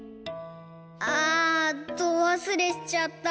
あどわすれしちゃった。